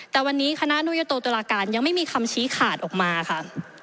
แต่วันนี้คณะนุยโตตุลาการยังไม่มีคำชี้ขาดออกมาค่ะ